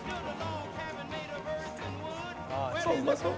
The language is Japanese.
うまそう！